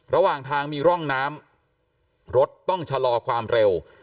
ระหว่างทางมีร่องน้ำรถต้องชะลอความเร็ว